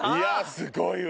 すごいわ！